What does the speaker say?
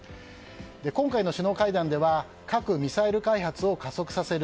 今回の首脳会談では核・ミサイル開発を加速させる